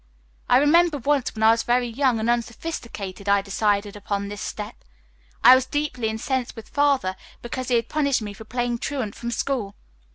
I remember once when I was very young and unsophisticated I decided upon this step. I was deeply incensed with Father because he had punished me for playing truant from school.